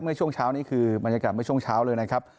เมื่อช่วงเช้านี้คือบรรยากาศเมื่อช่วงเช้าเลยนะครับ